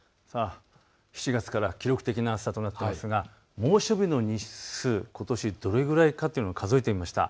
７月から記録的な暑さとなっていますが猛暑日の日数、ことしどれぐらいかというのを数えてみました。